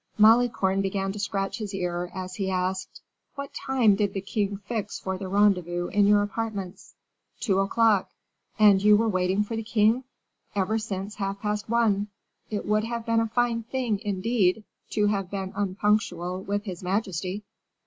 Malicorne began to scratch his ear, as he asked, "What time did the king fix for the rendezvous in your apartments?" "Two o'clock." "And you were waiting for the king?" "Ever since half past one; it would have been a fine thing, indeed, to have been unpunctual with his majesty."